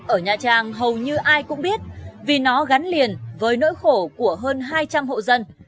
ở nha trang hầu như ai cũng biết vì nó gắn liền với nỗi khổ của hơn hai trăm linh hộ dân